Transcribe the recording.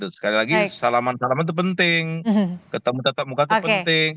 sekali lagi salaman salaman itu penting ketemu tetap muka itu penting